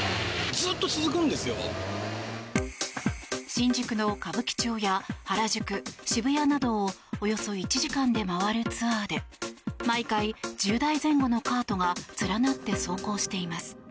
新宿の歌舞伎町や原宿渋谷などをおよそ１時間で回るツアーで毎回１０台前後のカートが連なって走行しています。